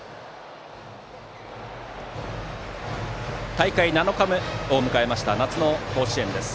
大会７日目を迎えました夏の甲子園です。